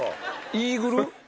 イーグル？